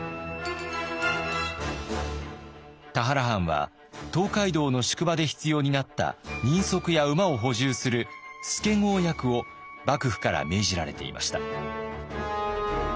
田原藩は東海道の宿場で必要になった人足や馬を補充する助郷役を幕府から命じられていました。